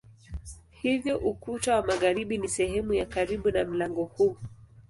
Hivyo ukuta wa magharibi ni sehemu ya karibu na mlango huu.